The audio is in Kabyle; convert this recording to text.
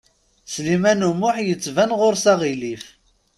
Sliman U Muḥ yettban ɣur-s aɣilif.